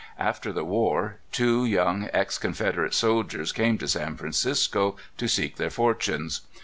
After the war, two young ex Con federate soldiers came to San Francisco to seek their fortunes.